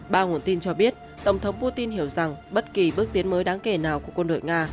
ba nguồn tin cho biết tổng thống putin hiểu rằng bất kỳ bước tiến mới đáng kể nào của quân đội nga